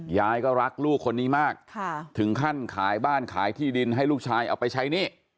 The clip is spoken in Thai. ยายก็รักลูกคนนี้มากถึงขั้นขายบ้านขายที่ดินให้ลูกชายเอาไปใช้หนี้